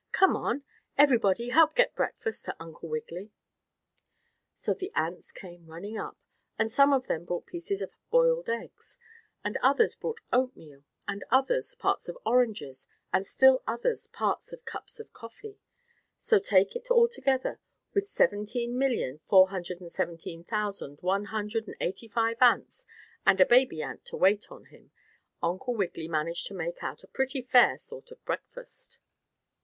Come on! everybody, help get breakfast for Uncle Wiggily." So all the ants came running up, and some of them brought pieces of boiled eggs, and others brought oatmeal and others parts of oranges and still others parts of cups of coffee. So take it altogether, with seventeen million, four hundred and seventeen thousand, one hundred and eighty five ants and a baby ant to wait on him, Uncle Wiggily managed to make out a pretty fair sort of a breakfast.